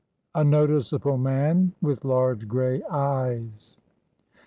"A NOTICEABLE MAN, WITH LARGE GREY EYES."